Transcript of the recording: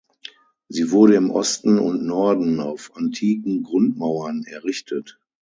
Sie wurde im Osten und Norden auf antiken Grundmauern errichtet.